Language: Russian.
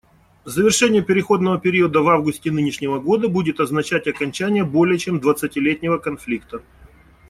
Завершение переходного периода в августе нынешнего года будет означать окончание более чем двадцатилетнего конфликта.